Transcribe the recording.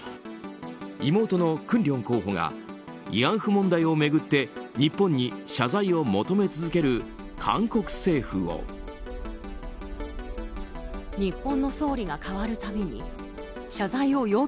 妹の槿令候補が慰安婦問題を巡って日本に謝罪を求め続ける韓国政府を。と、批判。